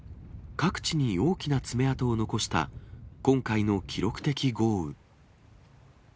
各地に大きな爪痕を残した今回の記録的豪雨。